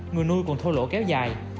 người nuôi còn thua lỗ kéo dài